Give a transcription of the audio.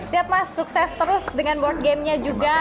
siap mas sukses terus dengan world gamenya juga